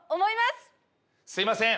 すみません。